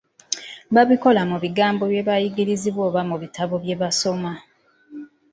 Babikola mu bigambo bye bayigirizibwa oba mu bitabo bye basoma.